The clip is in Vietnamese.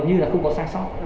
như là không có sai sót